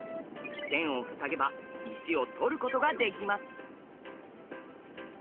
線を塞げば石を取ることができます。